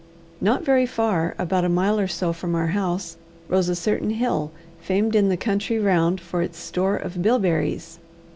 Not very far, about a mile or so from our house, rose a certain hill famed in the country round for its store of bilberries.